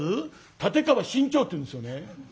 「立川志ん朝っていうんですよね」。